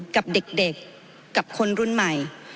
กับเด็กกับคนรุ่นใหม่